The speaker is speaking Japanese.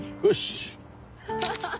よし！